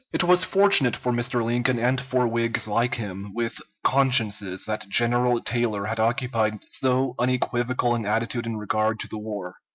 It was fortunate for Mr. Lincoln and for Whigs like him, with consciences, that General Taylor had occupied so unequivocal an attitude in regard to the war.